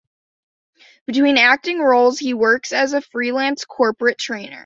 Between acting roles he works as a freelance corporate trainer.